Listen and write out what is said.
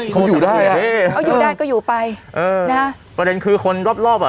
เขาอยู่ได้อ่ะเขาอยู่ได้ก็อยู่ไปเออนะฮะประเด็นคือคนรอบรอบอ่ะ